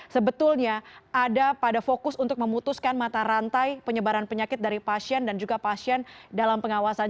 sebetulnya ada pada fokus untuk memutuskan mata rantai penyebaran penyakit dari pasien dan juga pasien dalam pengawasan